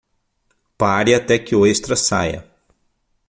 Pare até que o extra saia.